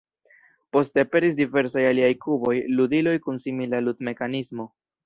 Poste aperis diversaj aliaj kuboj, ludiloj kun simila lud-mekanismo.